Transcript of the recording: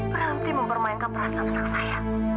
berhenti mempermainkan perasaan anak saya